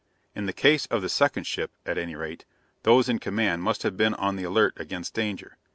In the case of the second ship, at any rate, those in command must have been on the alert against danger.